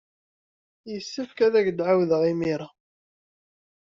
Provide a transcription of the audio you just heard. Yessefk ad ak-d-ɛawdeɣ imir-a.